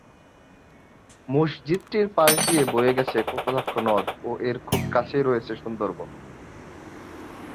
মসজিদটির পাশ দিয়ে বয়ে গেছে কপোতাক্ষ নদ ও এর খুব কাছেই রয়েছে সুন্দরবন।